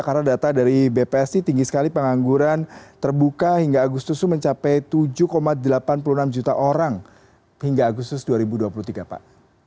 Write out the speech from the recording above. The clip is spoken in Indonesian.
karena data dari bpst tinggi sekali pengangguran terbuka hingga agustus mencapai tujuh delapan puluh enam juta orang hingga agustus dua ribu dua puluh tiga pak